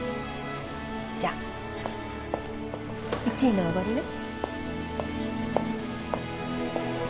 じゃあ１位のおごりね。